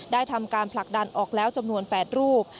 ทำการผลักดันออกแล้วจำนวน๘รูป